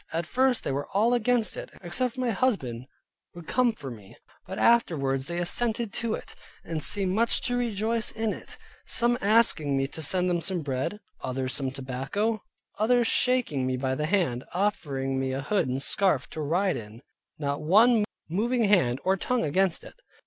At first they were all against it, except my husband would come for me, but afterwards they assented to it, and seemed much to rejoice in it; some asked me to send them some bread, others some tobacco, others shaking me by the hand, offering me a hood and scarfe to ride in; not one moving hand or tongue against it.